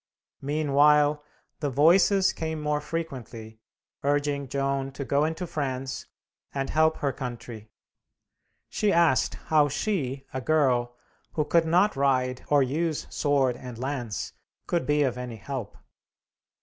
Meanwhile the Voices came more frequently, urging Joan to go into France and help her country. She asked how she, a girl, who could not ride or use sword and lance, could be of any help?